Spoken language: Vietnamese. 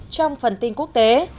trong phần tin quốc tế